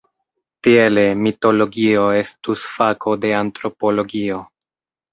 Tiele "mitologio" estus fako de antropologio.